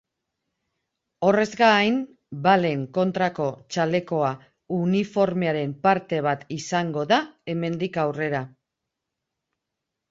Horrez gain, balen kontrako txalekoa uniformearen parte bat izango da hemendik aurrera.